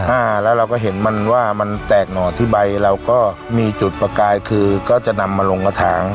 อ่าแล้วเราก็เห็นมันว่ามันแตกหน่อที่ใบเราก็มีจุดประกายคือก็จะนำมาลงกระถาง